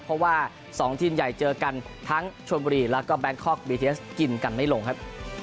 เพราะว่า๒ทีมใหญ่เจอกันทั้งชวนบุรีแล้วก็แบงคอกบีทีเอสกินกันไม่ลงครับ